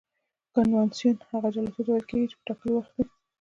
کنوانسیون هغو جلسو ته ویل کیږي چې په ټاکلي وخت وي.